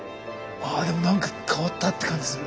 ああでもなんか変わったって感じする。